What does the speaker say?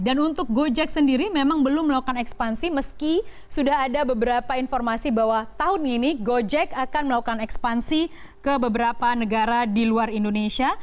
dan untuk gojek sendiri memang belum melakukan ekspansi meski sudah ada beberapa informasi bahwa tahun ini gojek akan melakukan ekspansi ke beberapa negara di luar indonesia